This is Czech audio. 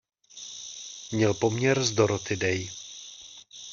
Měl poměr s Dorothy Day.